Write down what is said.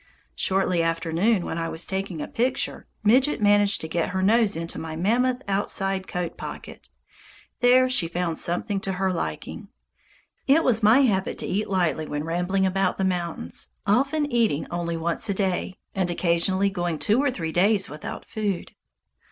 Shortly after noon, when I was taking a picture, Midget managed to get her nose into my mammoth outside coat pocket. There she found something to her liking. It was my habit to eat lightly when rambling about the mountains, often eating only once a day, and occasionally going two or three days without food.